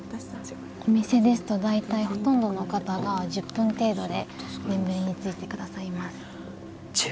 お店ですと大体ほとんどの方が１０分程度で眠りについてくださいます。